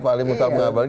pahali mutar nggak balik